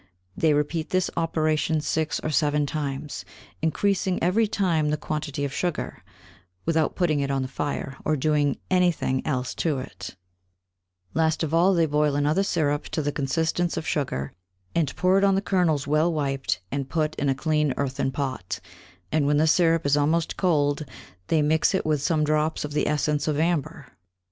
They repeat this Operation six or seven times, encreasing every time the Quantity of Sugar, without putting it on the Fire, or doing any thing else to it: last of all, they boil another Syrup to the Consistence of Sugar, and pour it on the Kernels well wiped and put in a clean earthen Pot; and when the Syrup is almost cold, they mix with it some Drops of the Essence of Amber.